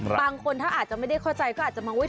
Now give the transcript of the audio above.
บางคนถ้าอาจจะไม่ได้เข้าใจก็อาจจะมองว่า